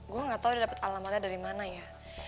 gue nggak tau udah dapet alamatnya dari mana ya